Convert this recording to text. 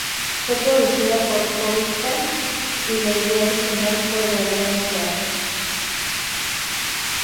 Fue producida por Pol-ka y la idea original fue de Adrián Suar.